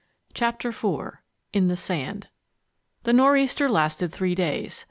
CHAPTER IV IN THE SAND The northeaster lasted three days.